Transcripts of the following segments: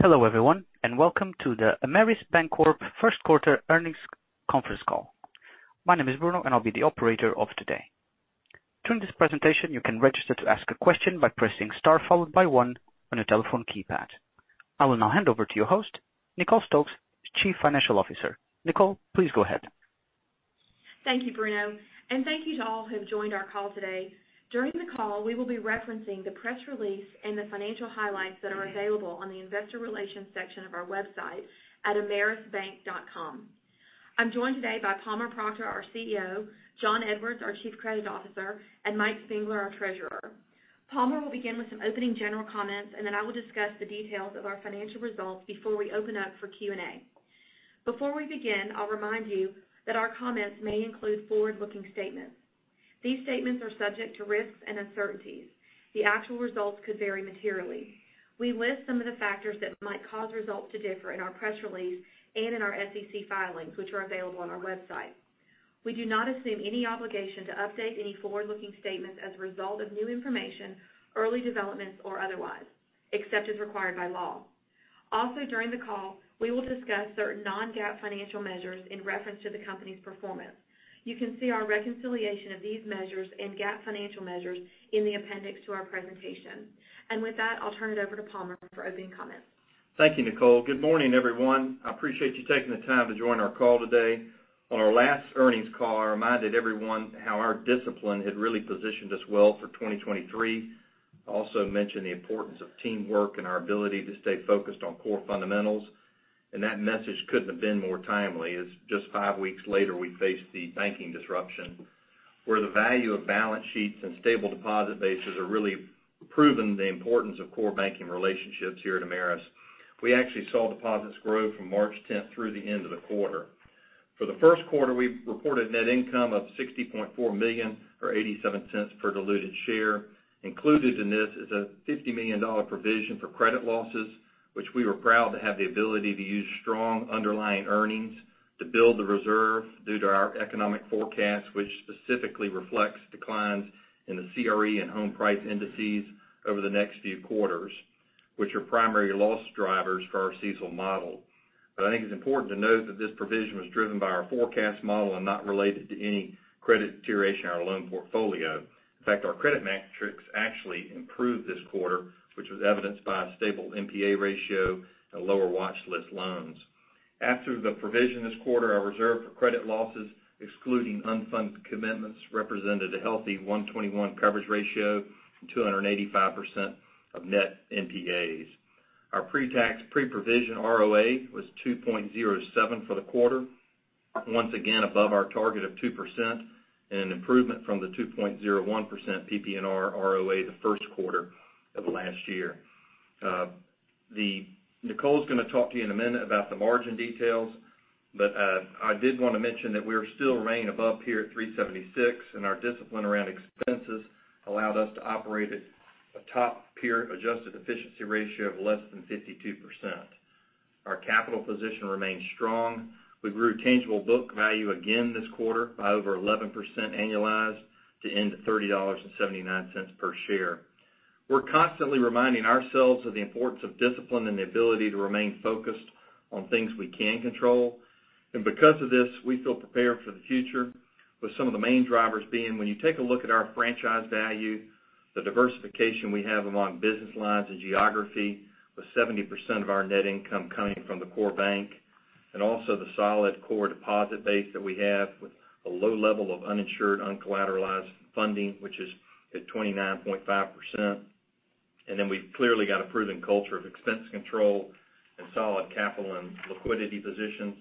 Hello everyone, and welcome to the Ameris Bancorp first quarter earnings conference call. My name is Bruno, and I'll be the operator of today. During this presentation, you can register to ask a question by pressing star followed by one on your telephone keypad. I will now hand over to your host, Nicole Stokes, Chief Financial Officer. Nicole, please go ahead. Thank you, Bruno, and thank you to all who have joined our call today. During the call, we will be referencing the press release and the financial highlights that are available on the investor relations section of our website at amerisbank.com. I'm joined today by Palmer Proctor, our CEO, Jon Edwards, our Chief Credit Officer, and Mike Spangler, our Treasurer. Palmer will begin with some opening general comments, and then I will discuss the details of our financial results before we open up for Q and A. Before we begin, I'll remind you that our comments may include forward-looking statements. These statements are subject to risks and uncertainties. The actual results could vary materially. We list some of the factors that might cause results to differ in our press release and in our SEC filings, which are available on our website. We do not assume any obligation to update any forward-looking statements as a result of new information, early developments, or otherwise, except as required by law. Also, during the call, we will discuss certain non-GAAP financial measures in reference to the company's performance. You can see our reconciliation of these measures and GAAP financial measures in the appendix to our presentation. With that, I'll turn it over to Palmer for opening comments. Thank you, Nicole. Good morning, everyone. I appreciate you taking the time to join our call today. On our last earnings call, I reminded everyone how our discipline had really positioned us well for 2023. I also mentioned the importance of teamwork and our ability to stay focused on core fundamentals. That message couldn't have been more timely, as just five weeks later, we faced the banking disruption, where the value of balance sheets and stable deposit bases are really proving the importance of core banking relationships here at Ameris. We actually saw deposits grow from March 10th through the end of the quarter. For the first quarter, we reported net income of $60.4 million or $0.87 per diluted share. Included in this is a $50 million provision for credit losses, which we were proud to have the ability to use strong underlying earnings to build the reserve due to our economic forecast, which specifically reflects declines in the CRE and home price indices over the next few quarters, which are primary loss drivers for our CECL model. I think it's important to note that this provision was driven by our forecast model and not related to any credit deterioration in our loan portfolio. In fact, our credit metrics actually improved this quarter, which was evidenced by a stable NPA ratio and lower watch list loans. After the provision this quarter, our reserve for credit losses, excluding unfunded commitments, represented a healthy 121% coverage ratio and 285% of net NPAs. Our pre-tax, pre-provision ROA was 2.07 for the quarter, once again above our target of 2% and an improvement from the 2.01% PPNR ROA the first quarter of last year. Nicole is going to talk to you in a minute about the margin details. I did want to mention that we are still running above peer at 3.76%. Our discipline around expenses allowed us to operate at a top peer adjusted efficiency ratio of less than 52%. Our capital position remains strong. We grew tangible book value again this quarter by over 11% annualized to end at $30.79 per share. We're constantly reminding ourselves of the importance of discipline and the ability to remain focused on things we can control. Because of this, we feel prepared for the future with some of the main drivers being, when you take a look at our franchise value, the diversification we have among business lines and geography, with 70% of our net income coming from the core bank, and also the solid core deposit base that we have with a low level of uninsured, uncollateralized funding, which is at 29.5%. We've clearly got a proven culture of expense control and solid capital and liquidity positions.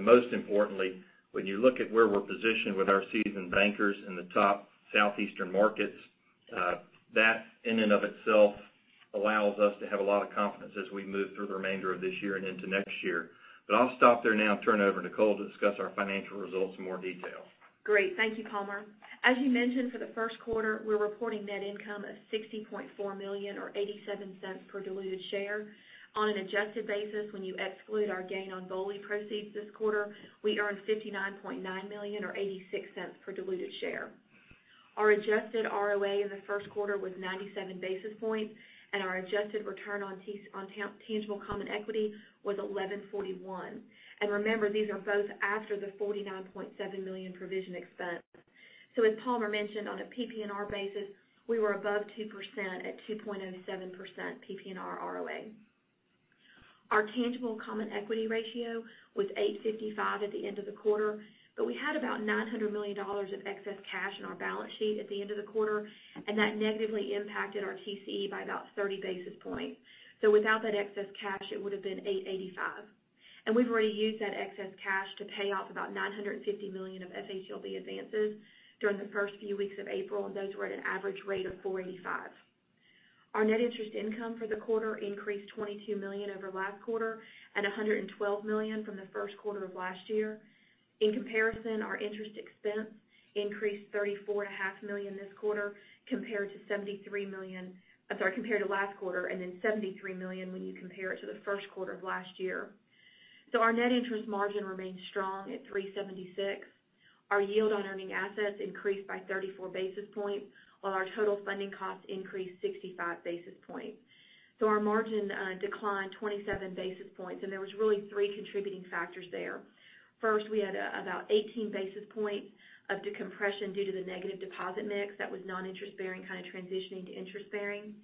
Most importantly, when you look at where we're positioned with our seasoned bankers in the top southeastern markets, that in and of itself allows us to have a lot of confidence as we move through the remainder of this year and into next year. I'll stop there now and turn it over to Nicole to discuss our financial results in more detail. Great. Thank you, Palmer. As you mentioned, for the first quarter, we're reporting net income of $60.4 million or $0.87 per diluted share. On an adjusted basis, when you exclude our gain on BOLI proceeds this quarter, we earned $59.9 million or $0.86 per diluted share. Our adjusted ROA in the first quarter was 97 basis points, and our adjusted return on tangible common equity was 11.41%. Remember, these are both after the $49.7 million provision expense. As Palmer mentioned, on a PPNR basis, we were above 2% at 2.07% PPNR ROA. Our tangible common equity ratio was 8.55 at the end of the quarter. We had about $900 million of excess cash in our balance sheet at the end of the quarter. That negatively impacted our TCE by about 30 basis points. Without that excess cash, it would have been 8.85. We've already used that excess cash to pay off about $950 million of FHLB advances during the first few weeks of April. Those were at an average rate of 4.85%. Our net interest income for the quarter increased $22 million over last quarter and $112 million from the first quarter of last year. In comparison, our interest expense increased $34 and a half million this quarter compared to $73 million. I'm sorry, compared to last quarter and then $73 million when you compare it to the first quarter of last year. Our net interest margin remains strong at 3.76%. Our yield on earning assets increased by 34 basis points, while our total funding costs increased 65 basis points. Our margin declined 27 basis points, and there was really three contributing factors there. First, we had about 18 basis points of decompression due to the negative deposit mix that was non-interest bearing, kind of transitioning to interest bearing.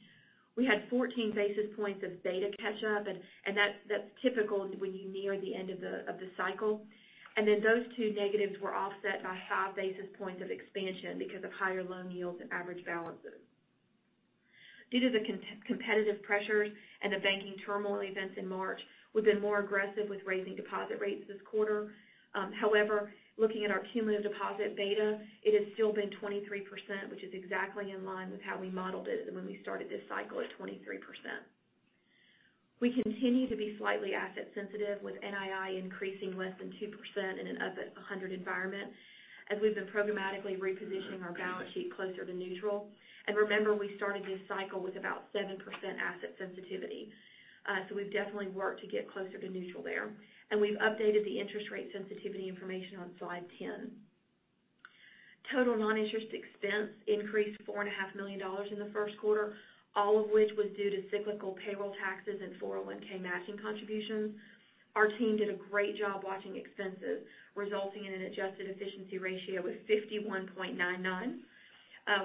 We had 14 basis points of beta catch up, and that's typical when you near the end of the cycle. Those two negatives were offset by five basis points of expansion because of higher loan yields and average balances. Due to the competitive pressures and the banking turmoil events in March, we've been more aggressive with raising deposit rates this quarter. However, looking at our cumulative deposit beta, it has still been 23%, which is exactly in line with how we modeled it when we started this cycle at 23%. We continue to be slightly asset sensitive, with NII increasing less than 2% in an up at a 100 environment, as we've been programmatically repositioning our balance sheet closer to neutral. Remember, we started this cycle with about 7% asset sensitivity. We've definitely worked to get closer to neutral there. We've updated the interest rate sensitivity information on slide 10. Total non-interest expense increased four and a half million dollars in the first quarter, all of which was due to cyclical payroll taxes and 401(k) matching contributions. Our team did a great job watching expenses, resulting in an adjusted efficiency ratio of 51.99.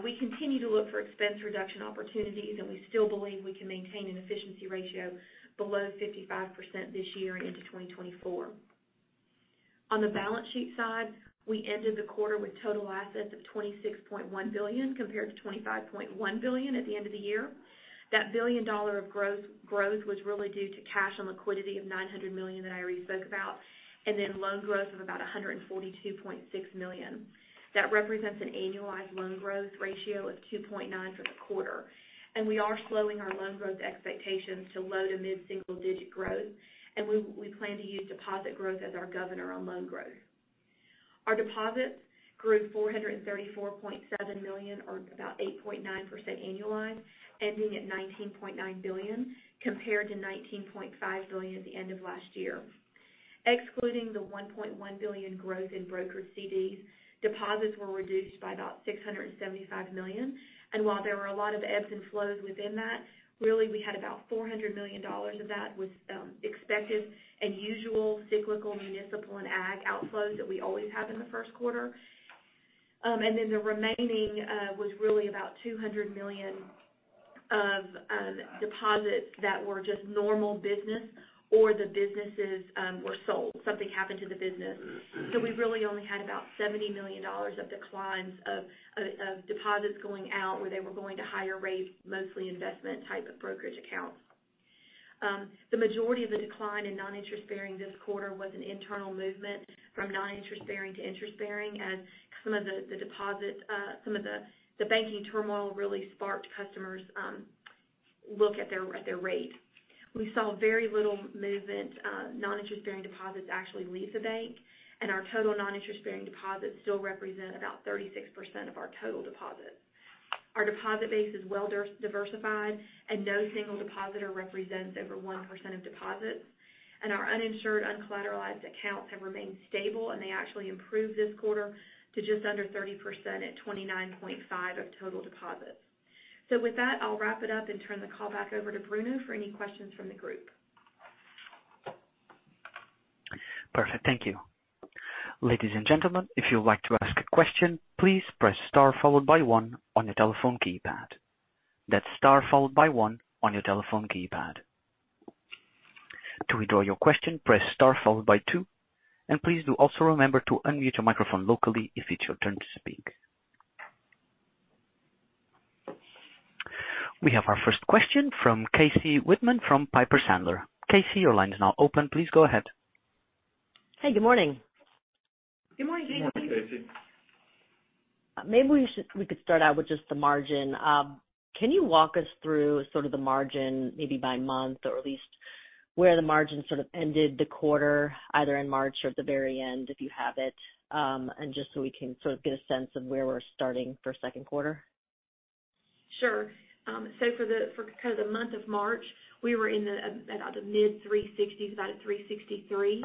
We continue to look for expense reduction opportunities, and we still believe we can maintain an efficiency ratio below 55% this year into 2024. On the balance sheet side, we ended the quarter with total assets of $26.1 billion, compared to $25.1 billion at the end of the year. That $1 billion of growth was really due to cash and liquidity of $900 million that I already spoke about, and then loan growth of about $142.6 million. That represents an annualized loan growth ratio of 2.9 for the quarter. We are slowing our loan growth expectations to low to mid single digit growth, and we plan to use deposit growth as our governor on loan growth. Our deposits grew $434.7 million or about 8.9% annualized, ending at $19.9 billion, compared to $19.5 billion at the end of last year. Excluding the $1.1 billion growth in brokered CDs, deposits were reduced by about $675 million. While there were a lot of ebbs and flows within that, really we had about $400 million of that was expected and usual cyclical municipal and ag outflows that we always have in the first quarter. The remaining was really about $200 million of deposits that were just normal business or the businesses were sold, something happened to the business. We really only had about $70 million of declines of deposits going out, where they were going to higher rate, mostly investment type of brokerage accounts. The majority of the decline in non-interest bearing this quarter was an internal movement from non-interest bearing to interest bearing as some of the banking turmoil really sparked customers look at their, at their rate. We saw very little movement of non-interest bearing deposits actually leave the bank, and our total non-interest bearing deposits still represent about 36% of our total deposits. Our deposit base is well diversified, and no single depositor represents over 1% of deposits. Our uninsured, uncollateralized accounts have remained stable, and they actually improved this quarter to just under 30% at 29.5% of total deposits. With that, I'll wrap it up and turn the call back over to Bruno for any questions from the group. Perfect. Thank you. Ladies and gentlemen, if you'd like to ask a question, please press star followed by one on your telephone keypad. That's star followed by one on your telephone keypad. To withdraw your question, press star followed by two, and please do also remember to unmute your microphone locally if it's your turn to speak. We have our first question from Casey Whitman from Piper Sandler. Casey, your line is now open. Please go ahead. Hey, good morning. Good morning, Casey. Good morning, Casey. Maybe we could start out with just the margin. Can you walk us through sort of the margin maybe by month or at least where the margin sort of ended the quarter, either in March or at the very end, if you have it? Just so we can sort of get a sense of where we're starting for second quarter. Sure. For the, for kind of the month of March, we were in the about the mid 360, about a 363.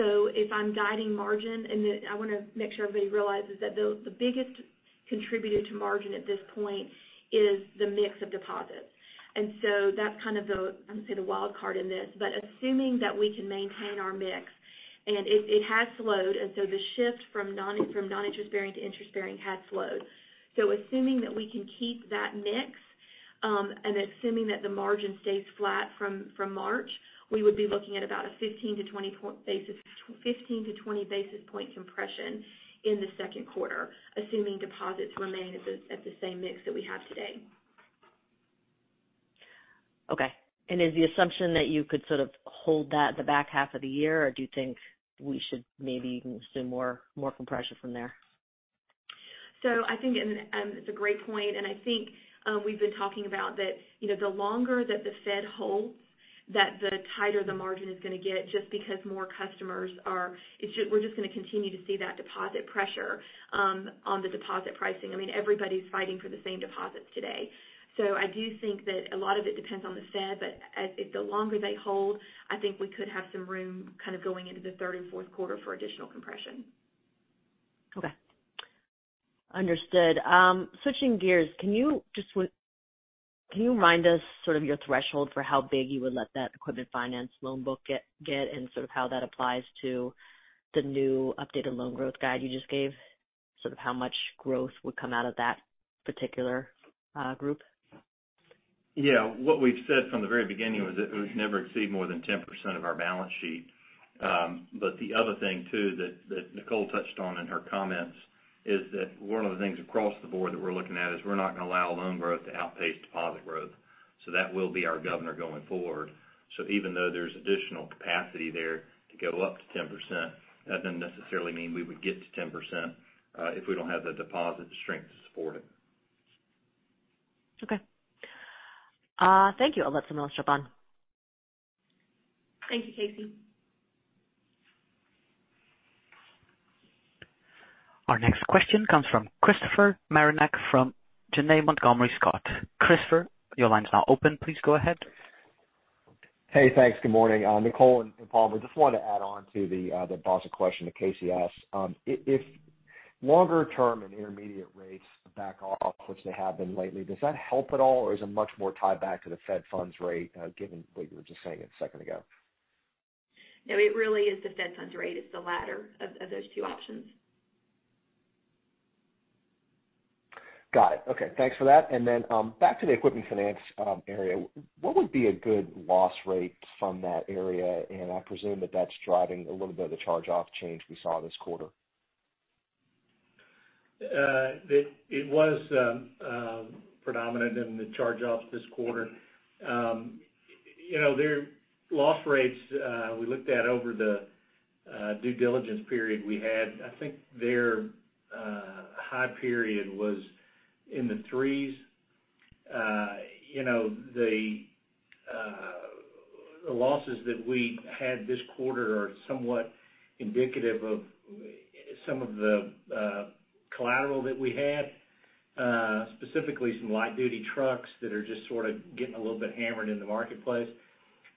If I'm guiding margin, I wanna make sure everybody realizes that the biggest contributor to margin at this point is the mix of deposits. That's kind of the, I'm gonna say, the wild card in this. Assuming that we can maintain our mix, and it has slowed, the shift from non-interest bearing to interest bearing has slowed. Assuming that we can keep that mix, and assuming that the margin stays flat from March, we would be looking at about a 15 basis point-20 basis point compression in the second quarter, assuming deposits remain at the same mix that we have today. Okay. Is the assumption that you could sort of hold that the back half of the year, or do you think we should maybe assume more compression from there? I think, and, it's a great point, and I think, we've been talking about that, you know, the longer that the Fed holds, that the tighter the margin is gonna get just because more customers are... We're just gonna continue to see that deposit pressure. On the deposit pricing, I mean, everybody's fighting for the same deposits today. I do think that a lot of it depends on the Fed, but the longer they hold, I think we could have some room kind of going into the third and fourth quarter for additional compression. Okay. Understood. Switching gears, can you remind us sort of your threshold for how big you would let that equipment finance loan book get, and sort of how that applies to the new updated loan growth guide you just gave, sort of how much growth would come out of that particular group? Yeah. What we've said from the very beginning was that it would never exceed more than 10% of our balance sheet. The other thing too that Nicole touched on in her comments is that one of the things across the board that we're looking at is we're not gonna allow loan growth to outpace deposit growth. That will be our governor going forward. Even though there's additional capacity there to go up to 10%, that doesn't necessarily mean we would get to 10%, if we don't have the deposit strength to support it. Okay. Thank you. I'll pass it to Nicole Stokes. Thank you, Casey. Our next question comes from Christopher Marinac from Janney Montgomery Scott. Christopher, your line is now open. Please go ahead. Hey, thanks. Good morning, Nicole and Palmer. Just wanted to add on to the deposit question that Casey asked. If longer term and intermediate rates back off, which they have been lately, does that help at all, or is it much more tied back to the federal funds rate, given what you were just saying a second ago? No, it really is the federal funds rate. It's the latter of those two options. Got it. Okay, thanks for that. Then, back to the equipment finance area. What would be a good loss rate from that area? I presume that that's driving a little bit of the charge-off change we saw this quarter. It was predominant in the charge-offs this quarter. You know, their loss rates, we looked at over the due diligence period we had. I think their high period was in the three's. You know, the losses that we had this quarter are somewhat indicative of some of the collateral that we had, specifically some light-duty trucks that are just sort of getting a little bit hammered in the marketplace.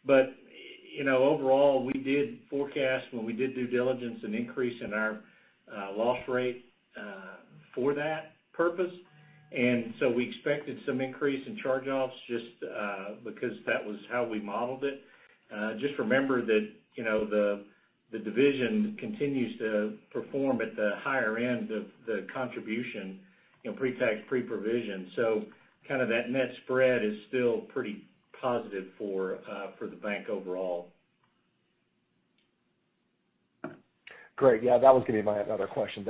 You know, overall, we did forecast when we did due diligence an increase in our loss rate for that purpose. We expected some increase in charge-offs just because that was how we modeled it. Just remember that, you know, the division continues to perform at the higher end of the contribution in pre-tax, pre-provision. kind of that net spread is still pretty positive for for the bank overall. Great. Yeah, that was gonna be my other question.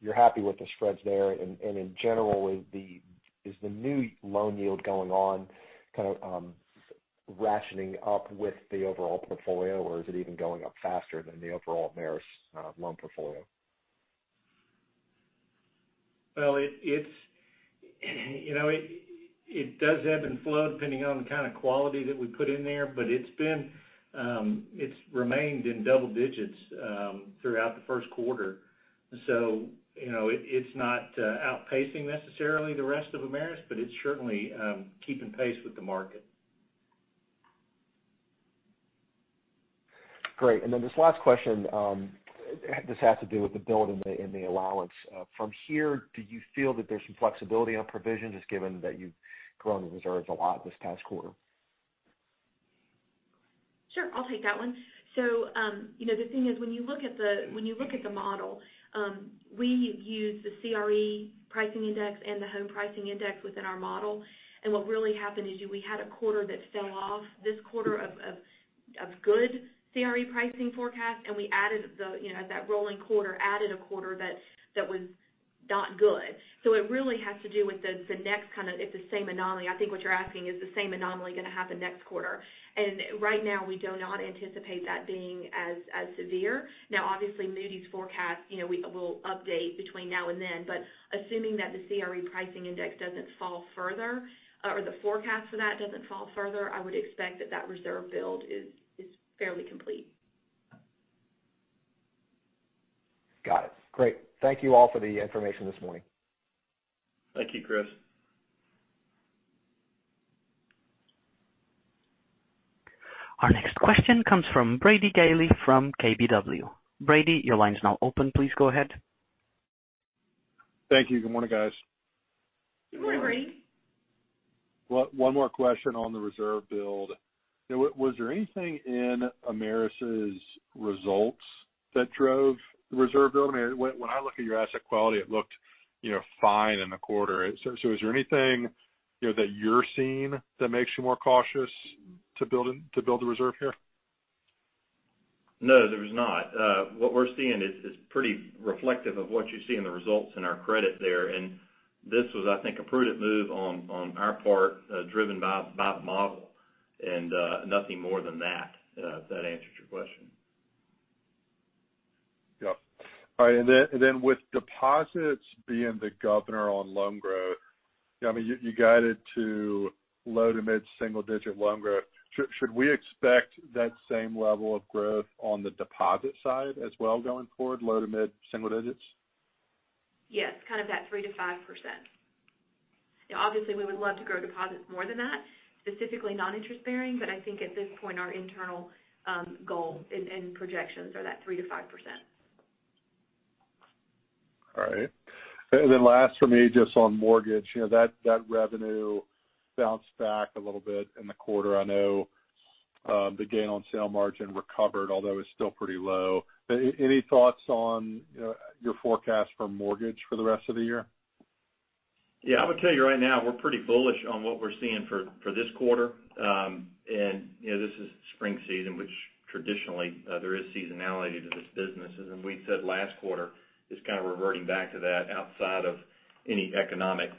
You're happy with the spreads there. In general, is the new loan yield going on kind of rationing up with the overall portfolio, or is it even going up faster than the overall Ameris loan portfolio? It's, you know, it does end and flow depending on the kind of quality that we put in there, but it's been, it's remained in double digits throughout the first quarter. You know, it's not outpacing necessarily the rest of Ameris, but it's certainly keeping pace with the market. Great. Then this last question, this has to do with the build in the allowance, from here, do you feel that there's some flexibility on provisions just given that you've grown the reserves a lot this past quarter? Sure. I'll take that one. You know, the thing is, when you look at the, when you look at the model, we use the CRE price index and the home price index within our model. What really happened is we had a quarter that fell off this quarter of good CRE pricing forecast, and we added the, you know, that rolling quarter, added a quarter that was not good. It really has to do with it's the same anomaly. I think what you're asking is the same anomaly gonna happen next quarter. Right now, we do not anticipate that being as severe. Obviously, Moody's forecast, you know, will update between now and then, assuming that the CRE price index doesn't fall further, or the forecast for that doesn't fall further, I would expect that that reserve build is fairly complete. Got it. Great. Thank you all for the information this morning. Thank you, Chris. Our next question comes from Brady Gailey from KBW. Brady, your line is now open. Please go ahead. Thank you. Good morning, guys. Good morning. Good morning. One more question on the reserve build. Was there anything in Ameris' results that drove the reserve build? I mean, when I look at your asset quality, it looked, you know, fine in the quarter. Is there anything, you know, that you're seeing that makes you more cautious to build the reserve here? No, there was not. What we're seeing is pretty reflective of what you see in the results in our credit there. This was, I think, a prudent move on our part, driven by the model. Nothing more than that, if that answers your question. Yep. All right. With deposits being the governor on loan growth. Yeah, I mean, you guided to low- to mid-single-digit loan growth. Should we expect that same level of growth on the deposit side as well going forward, low to mid-single digits? Yes, kind of that 3% to 5%. You know, obviously, we would love to grow deposits more than that, specifically non-interest bearing. I think at this point, our internal goal and projections are that 3% to 5%. All right. Last for me, just on mortgage. You know, that revenue bounced back a little bit in the quarter. I know, the gain on sale margin recovered, although it's still pretty low. Any thoughts on, you know, your forecast for mortgage for the rest of the year? Yeah, I'm gonna tell you right now, we're pretty bullish on what we're seeing for this quarter. You know, this is spring season, which traditionally, there is seasonality to this business. As we said last quarter, it's kind of reverting back to that outside of any economic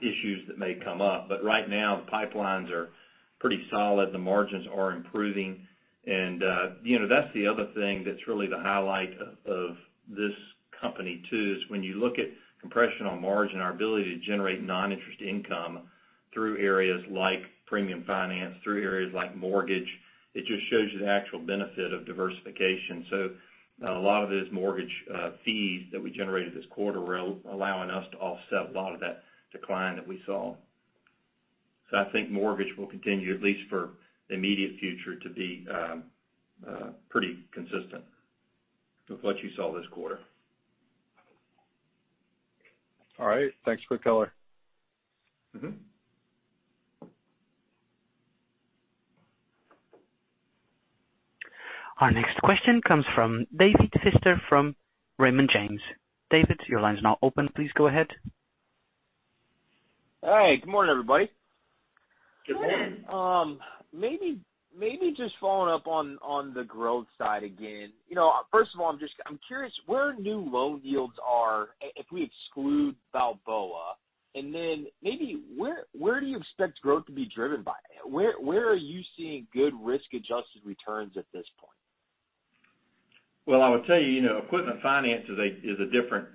issues that may come up. Right now, the pipelines are pretty solid. The margins are improving. You know, that's the other thing that's really the highlight of this company too, is when you look at compressional margin, our ability to generate non-interest income through areas like Premium Finance, through areas like mortgage, it just shows you the actual benefit of diversification. A lot of those mortgage fees that we generated this quarter were allowing us to offset a lot of that decline that we saw. I think mortgage will continue, at least for the immediate future, to be pretty consistent with what you saw this quarter. All right. Thanks for the color. Mm-hmm. Our next question comes from David Feaster from Raymond James. David, your line is now open. Please go ahead. All right. Good morning, everybody. Good morning. Maybe just following up on the growth side again. You know, first of all, I'm curious where new loan yields are if we exclude Balboa. Then maybe where do you expect growth to be driven by? Where are you seeing good risk-adjusted returns at this point? Well, I would tell you know, equipment finance is a, is a different,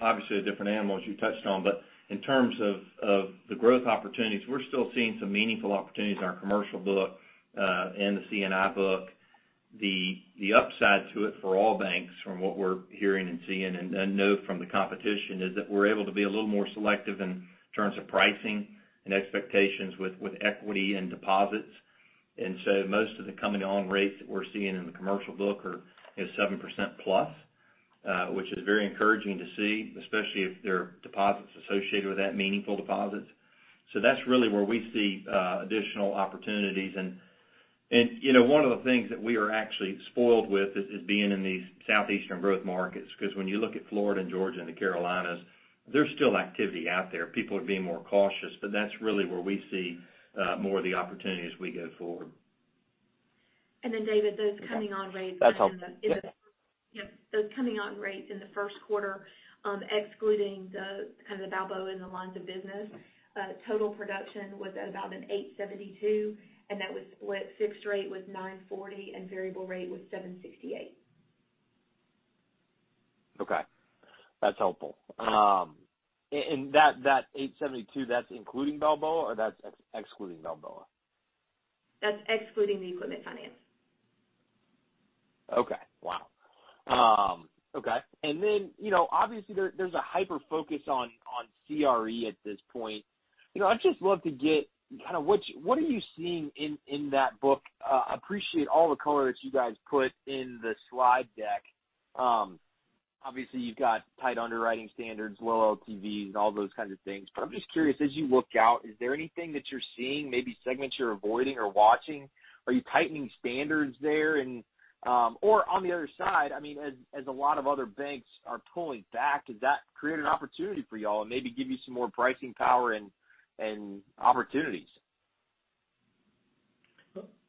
obviously a different animal, as you touched on. In terms of the growth opportunities, we're still seeing some meaningful opportunities in our commercial book, and the C&I book. The upside to it for all banks, from what we're hearing and seeing and know from the competition, is that we're able to be a little more selective in terms of pricing and expectations with equity and deposits. Most of the coming on rates that we're seeing in the commercial book are, you know, 7%+ which is very encouraging to see, especially if there are deposits associated with that, meaningful deposits. That's really where we see additional opportunities. You know, one of the things that we are actually spoiled with is being in these Southeastern growth markets, because when you look at Florida and Georgia and the Carolinas, there's still activity out there. People are being more cautious, but that's really where we see more of the opportunities as we go forward. David, those coming on rates. That's helpful. Yeah. Yep. Those coming on rates in the first quarter, excluding the kind of the Balboa and the lines of business, total production was about an 8.72%, and that was split, fixed rate was 9.40% and variable rate was 7.68%. Okay, that's helpful. That $872, that's including Balboa or that's excluding Balboa? That's excluding the equipment finance. Okay. Wow. Okay. You know, obviously there's a hyper focus on CRE at this point. You know, I'd just love to get kind of what are you seeing in that book? Appreciate all the color that you guys put in the slide deck. Obviously you've got tight underwriting standards, low LTVs, and all those kinds of things. I'm just curious, as you look out, is there anything that you're seeing, maybe segments you're avoiding or watching? Are you tightening standards there? Or on the other side, I mean, as a lot of other banks are pulling back, does that create an opportunity for y'all and maybe give you some more pricing power and opportunities?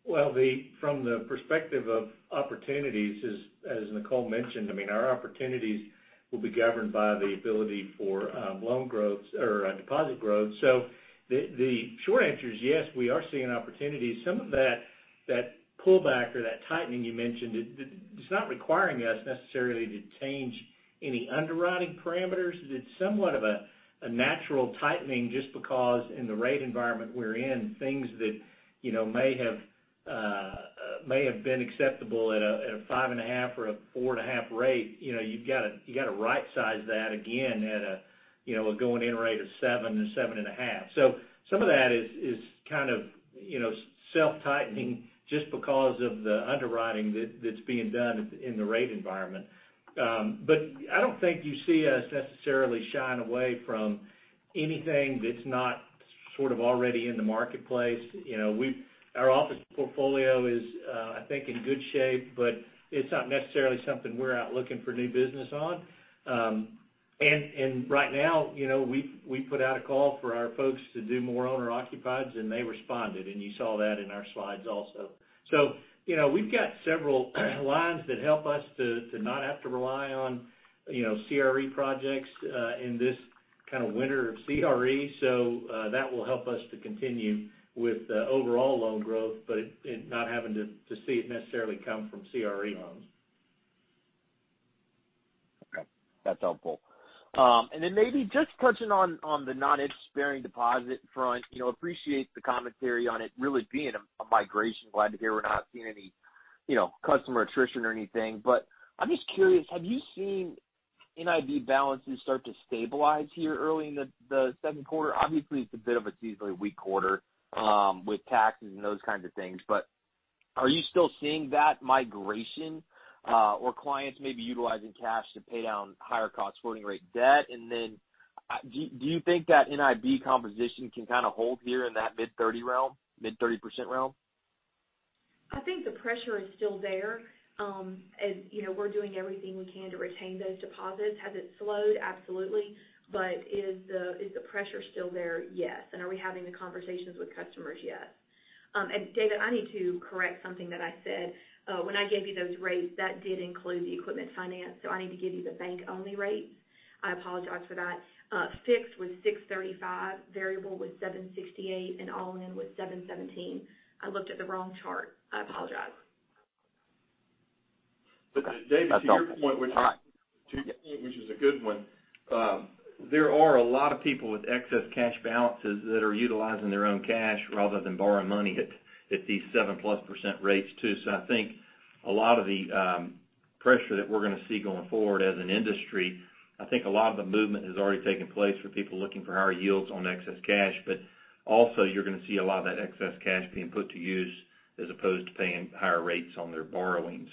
Well, from the perspective of opportunities, as Nicole mentioned, I mean, our opportunities will be governed by the ability for loan growth or deposit growth. The short answer is yes, we are seeing opportunities. Some of that pullback or that tightening you mentioned, it's not requiring us necessarily to change any underwriting parameters. It's somewhat of a natural tightening just because in the rate environment we're in, things that, you know, may have been acceptable at a five and a half or a four and a half rate. You know, you've got to rightsize that again at a, you know, a going in rate of seven and a half. Some of that is kind of, you know, self-tightening just because of the underwriting that's being done in the rate environment. I don't think you see us necessarily shying away from anything that's not sort of already in the marketplace. You know, our office portfolio is, I think in good shape, but it's not necessarily something we're out looking for new business on. And right now, you know, we put out a call for our folks to do more owner occupieds, and they responded, and you saw that in our slides also. You know, we've got several lines that help us to not have to rely on, you know, CRE projects, in this kind of winter of CRE. that will help us to continue with the overall loan growth, but, and not having to see it necessarily come from CRE loans. Okay, that's helpful. Maybe just touching on the non-interest-bearing deposit front, you know, appreciate the commentary on it really being a migration. Glad to hear we're not seeing any, you know, customer attrition or anything. I'm just curious, have you seen NIB balances start to stabilize here early in the second quarter? Obviously, it's a bit of a seasonally weak quarter, with taxes and those kinds of things, but are you still seeing that migration, or clients maybe utilizing cash to pay down higher cost floating rate debt? Do you think that NIB composition can kind of hold here in that mid-30 realm, mid-30% realm? I think the pressure is still there. You know, we're doing everything we can to retain those deposits. Has it slowed? Absolutely. Is the pressure still there? Yes. Are we having the conversations with customers? Yes. David, I need to correct something that I said. When I gave you those rates, that did include the equipment finance, so I need to give you the bank-only rates. I apologize for that. Fixed was 6.35%, variable was 7.68%, and all-in was 7.17%. I looked at the wrong chart. I apologize. Okay. That's helpful. All right. David, to your point, which I think is a good one, there are a lot of people with excess cash balances that are utilizing their own cash rather than borrowing money at these 7%+ rates too. I think a lot of the pressure that we're gonna see going forward as an industry, I think a lot of the movement has already taken place for people looking for higher yields on excess cash. Also, you're gonna see a lot of that excess cash being put to use as opposed to paying higher rates on their borrowing.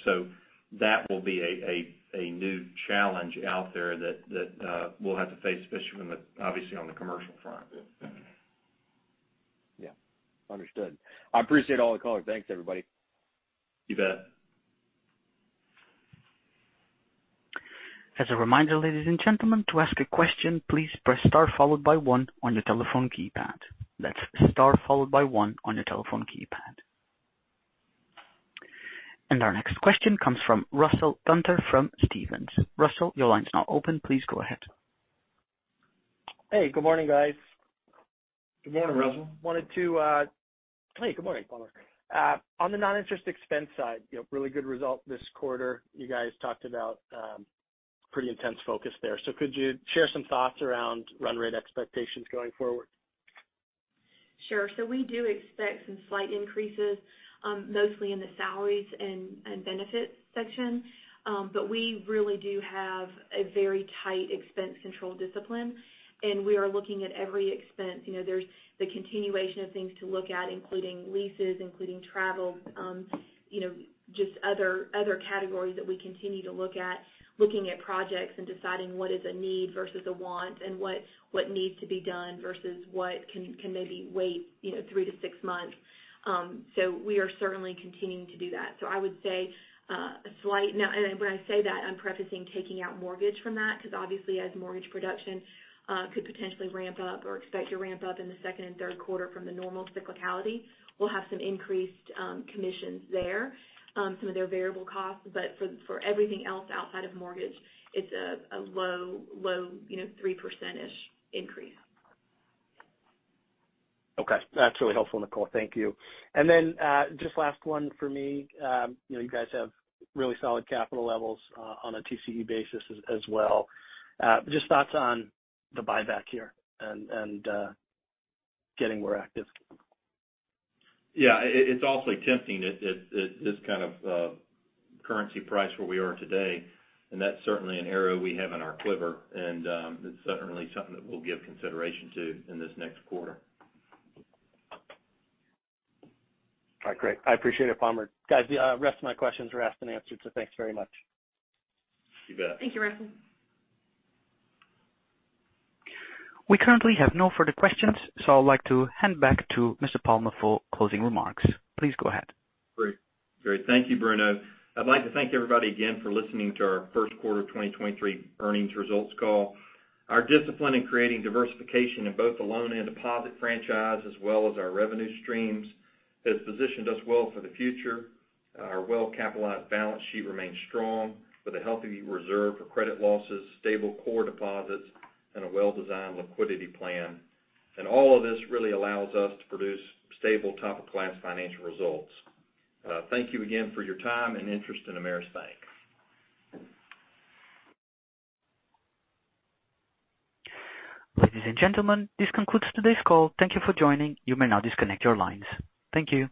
That will be a new challenge out there that we'll have to face, especially when obviously on the commercial front. Yeah. Understood. I appreciate all the color. Thanks, everybody. You bet. As a reminder, ladies and gentlemen, to ask a question, please press star followed by one on your telephone keypad. That's star followed by one on your telephone keypad. Our next question comes from Russell Gunther from Stephens. Russell, your line is now open. Please go ahead. Hey, good morning, guys. Good morning, Russell. Wanted to... Hey, good morning, Palmer. On the non-interest expense side, you know, really good result this quarter. You guys talked about pretty intense focus there. Could you share some thoughts around run rate expectations going forward? Sure. We do expect some slight increases, mostly in the salaries and benefits section. We really do have a very tight expense control discipline, and we are looking at every expense. You know, there's the continuation of things to look at, including leases, including travel, you know, just other categories that we continue to look at, looking at projects and deciding what is a need versus a want and what needs to be done versus what can maybe wait, you know, three to six months. We are certainly continuing to do that. I would say, a slight... When I say that, I'm prefacing taking out mortgage from that because obviously as mortgage production could potentially ramp up or expect to ramp up in the second and third quarter from the normal cyclicality, we'll have some increased commissions there, some of their variable costs. For everything else outside of mortgage, it's a low, low, you know, 3%-ish increase. Okay. That's really helpful, Nicole. Thank you. Just last one for me. You know, you guys have really solid capital levels on a TCE basis as well. Just thoughts on the buyback here and getting more active? Yeah. It's awfully tempting at this kind of currency price where we are today, that's certainly an arrow we have in our quiver. It's certainly something that we'll give consideration to in this next quarter. All right, great. I appreciate it, Palmer. Guys, the rest of my questions were asked and answered. Thanks very much. You bet. Thank you, Russell. We currently have no further questions, so I'd like to hand back to Mr. Palmer for closing remarks. Please go ahead. Great. Thank you, Bruno. I'd like to thank everybody again for listening to our first quarter 2023 earnings results call. Our discipline in creating diversification in both the loan and deposit franchise as well as our revenue streams has positioned us well for the future. Our well-capitalized balance sheet remains strong, with a healthy reserve for credit losses, stable core deposits, and a well-designed liquidity plan. All of this really allows us to produce stable top-of-class financial results. Thank you again for your time and interest in Ameris Bank. Ladies and gentlemen, this concludes today's call. Thank you for joining. You may now disconnect your lines. Thank you.